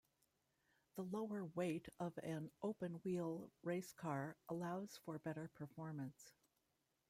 The lower weight of an open-wheel racecar allows for better performance.